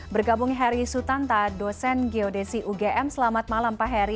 bergabung heri sutanta dosen geodesi ugm selamat malam pak heri